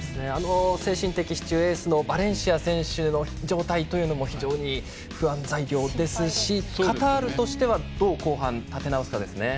精神的支柱、エースのバレンシア選手の状態も非常に不安材料ですしカタールとしてはどう後半、立て直すかですね。